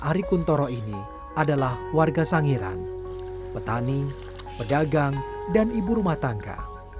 ari kuntoro ini adalah warga sangiran petani pedagang dan ibu rumah tangga